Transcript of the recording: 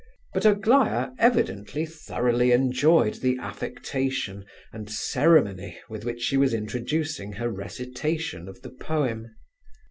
But Aglaya evidently thoroughly enjoyed the affectation and ceremony with which she was introducing her recitation of the poem.